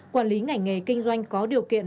quản lý ngành nghề kinh doanh có điều kiện